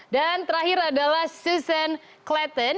dan terakhir adalah susan cletton